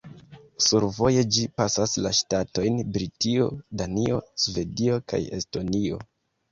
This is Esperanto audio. Survoje ĝi pasas la ŝtatojn Britio, Danio, Svedio kaj Estonio.